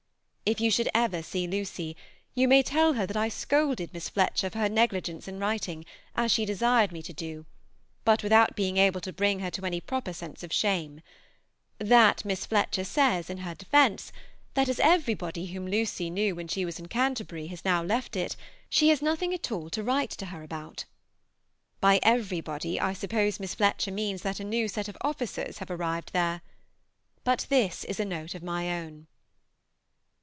If you should ever see Lucy, you may tell her that I scolded Miss Fletcher for her negligence in writing, as she desired me to do, but without being able to bring her to any proper sense of shame, that Miss Fletcher says, in her defence, that as everybody whom Lucy knew when she was in Canterbury has now left it, she has nothing at all to write to her about. By everybody, I suppose Miss Fletcher means that a new set of officers have arrived there. But this is a note of my own.